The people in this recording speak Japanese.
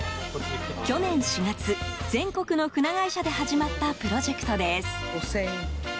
去年４月、全国の船会社で始まったプロジェクトです。